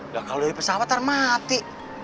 ya kalau dari pesawat ntar mati